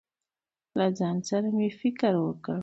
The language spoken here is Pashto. له ځان سره مې فکر وکړ.